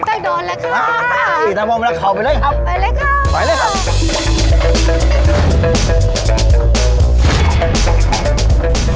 ไปเลยครับไปเลยครับไปเลยครับไปเลยครับไปเลยครับ